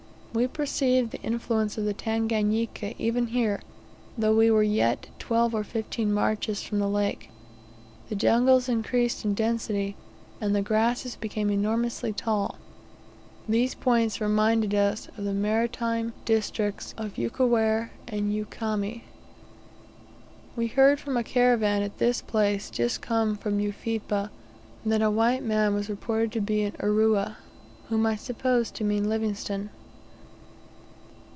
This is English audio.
We perceived the influence of the Tanganika, even here, though we were yet twelve or fifteen marches from the lake. The jungles increased in density, and the grasses became enormously tall; these points reminded us of the maritime districts of Ukwere and Ukami. We heard from a caravan at this place, just come from Ufipa, that a white man was reported to be in "Urua," whom I supposed to mean Livingstone.